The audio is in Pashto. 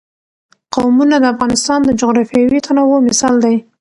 قومونه د افغانستان د جغرافیوي تنوع مثال دی.